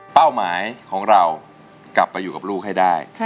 หมายของเรากลับไปอยู่กับลูกให้ได้